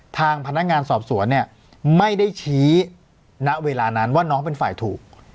ทางพนักงานสอบสวนเนี่ยไม่ได้ชี้ณเวลานั้นว่าน้องเป็นฝ่ายถูก